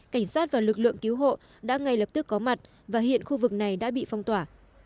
cảnh sát và lực lượng cứu hộ đã ngay lập tức có mặt và hiện khu vực này đã bị phong tỏa